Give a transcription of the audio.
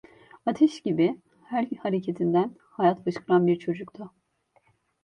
Ateş gibi, her hareketinden hayat fışkıran bir çocuktu.